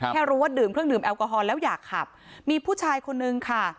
แค่รู้ว่าดื่มเครื่องดื่มแอลกอฮอลแล้วอยากขับมีผู้ชายคนนึงค่ะ